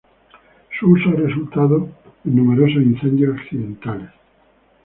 Su uso ha resultado en numerosos incendios accidentales.